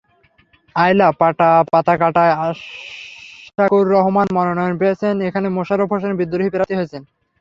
আয়লা-পাতাকাটায় আশশাকুর রহমান মনোনয়ন পেয়েছেন, এখানে মোশারফ হোসেন বিদ্রোহী প্রার্থী হয়েছেন।